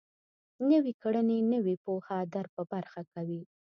نويې کړنې نوې پوهه در په برخه کوي.